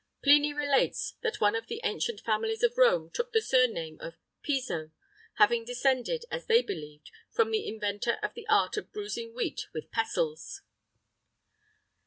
[III 10] Pliny relates that one of the ancient families of Rome took the surname of Piso, having descended, as they believed, from the inventor of the art of bruising wheat with pestles.